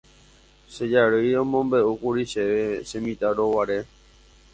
Che jarýi omombe'úkuri chéve chemitãrõguare